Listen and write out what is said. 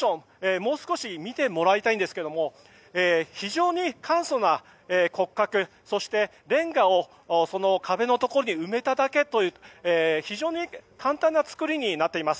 もう少し見てもらいたいんですが非常に簡素な骨格そして、レンガを壁に埋めただけという非常に簡単な作りになっています。